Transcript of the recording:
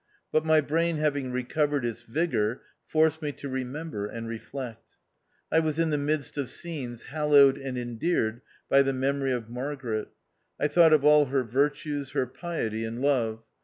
But my brain having recovered its vigour, forced me to remember and reflect. I was in the midst of scenes hallowed and endeared by the memory of Margaret. I thought of all her virtues, her piety, and love.